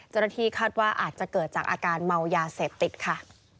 เจ้าหน้าที่คาดว่าอาจจะเกิดจากอาการเมายาเสพติดค่ะ